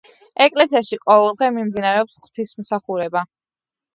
ეკლესიაში ყოველდღე მიმდინარეობს ღვთისმსახურება.